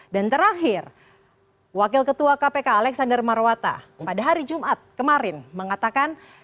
dan terakhir wakil ketua kpk alexander marwata pada hari jumat kemarin mengatakan